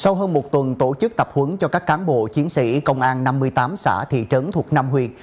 sau hơn một tuần tổ chức tập huấn cho các cán bộ chiến sĩ công an năm mươi tám xã thị trấn thuộc năm huyện